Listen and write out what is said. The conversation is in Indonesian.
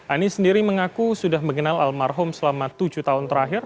anies sendiri mengaku sudah mengenal almarhum selama tujuh tahun terakhir